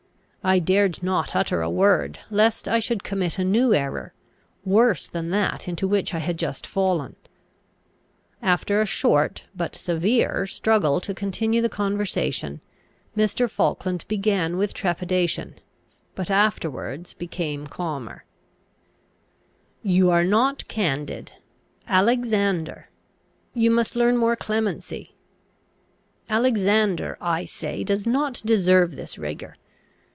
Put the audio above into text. I dared not utter a word, lest I should commit a new error, worse than that into which I had just fallen. After a short, but severe, struggle to continue the conversation, Mr. Falkland began with trepidation, but afterwards became calmer: "You are not candid Alexander You must learn more clemency Alexander, I say, does not deserve this rigour.